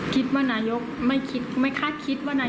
คิดว่านายกไม่คาดคิดว่านายกจะทำ